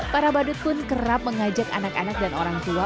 para badut pun kerap mengajak anak anak dan orang tua